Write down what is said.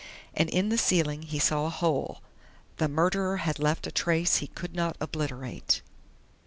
And in the ceiling he saw a hole.... The murderer had left a trace he could not obliterate!